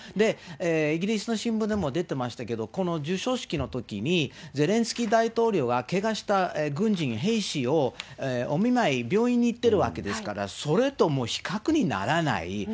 イギリスの新聞にも出てましたけど、この授賞式のときに、ゼレンスキー大統領は、けがした軍人、兵士をお見舞い、病院に行ってるわけですから、それと、もう比較にならない。